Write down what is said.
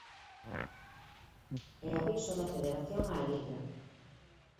E aviso da Federación á Liga.